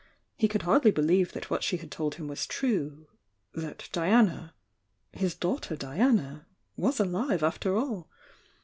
He could hardly believe that what she had told him was true — that Dianar his daughter Diana, was alive after all!